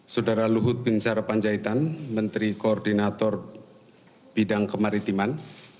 saudara luhut bin sarpanjaitan menteri koordinator bidang kemaritiman